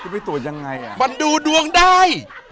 ไปตรวจยังไงมันดูดวงได้